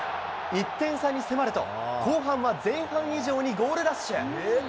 １点差に迫ると、後半は前半以上にゴールラッシュ。